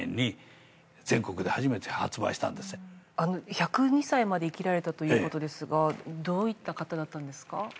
１０２歳まで生きられたということですがどういった方だったんですか？